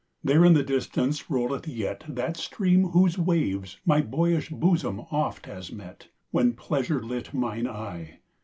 There in the distance rolleth yet That stream whose waves myBoyish bosom oft has met, When pleasure lit mine eye.